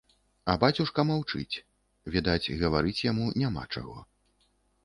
А бацюшка маўчыць, відаць, гаварыць яму няма чаго.